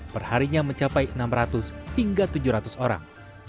perharinya mencapai enam ratus hingga tujuh ratus orang